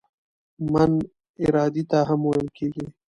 "من" ارادې ته هم ویل کیږي.